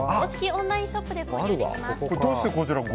オンラインショップで購入できます。